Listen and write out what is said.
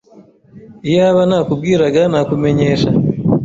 Iyaba nakubwiraga nakumenyesha.